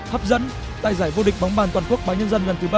hấp dẫn tại giải vô địch bóng bàn toàn quốc báo nhân dân lần thứ ba mươi tám